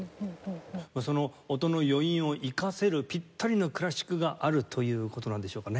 その音の余韻を生かせるピッタリのクラシックがあるという事なんでしょうかね？